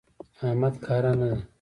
احمد کاره نه دی.